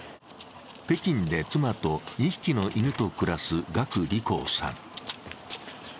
北京で妻と２匹の犬と暮らす岳利宏さん。